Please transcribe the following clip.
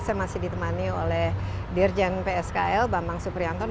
saya masih ditemani oleh dirjen pskl bambang suprianton